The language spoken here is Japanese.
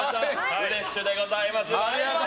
フレッシュでございます！